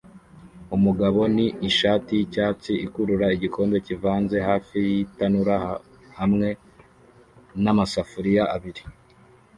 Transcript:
Umugabo ni ishati y'icyatsi ikurura igikombe kivanze hafi y'itanura hamwe n'amasafuriya abiri